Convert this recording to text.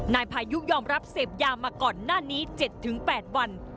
นายพายุยอมรับเสพยามาก่อนหน้านี้๗๘วัน